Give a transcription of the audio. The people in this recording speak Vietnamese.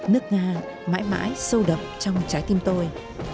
nước nga mãi mãi sâu đậm trong trái tim tôi